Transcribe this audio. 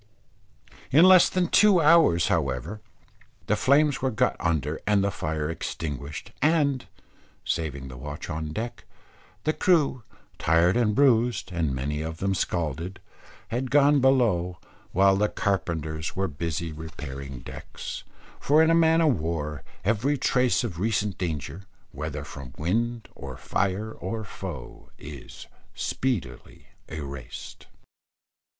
In less than two hours however, the flames were got under and the fire extinguished; and, saving the watch on deck, the crew, tired and bruised, and many of them scalded, had gone below, while the carpenters were busy repairing decks; for in a man of war every trace of recent danger, whether from wind or fire or foe, is speedily erased.